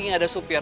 ini ada supir